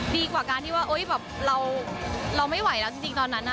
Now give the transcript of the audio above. ดีกว่าการที่ว่าแบบเราไม่ไหวแล้วจริงตอนนั้น